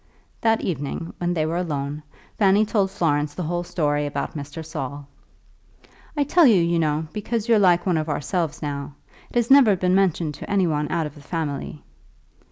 That evening, when they were alone, Fanny told Florence the whole story about Mr. Saul. "I tell you, you know, because you're like one of ourselves now. It has never been mentioned to any one out of the family."